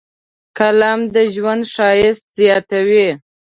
قلم د ژوند ښایست زیاتوي